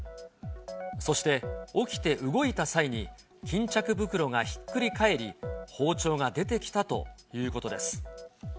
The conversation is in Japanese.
そして、起きて動いた際に、巾着袋がひっくり返り、包丁が出てきたということです。